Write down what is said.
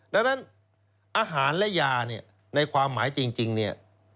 ดังนั้นอาหารและยาเนี่ยในความหมายจริงเนี่ย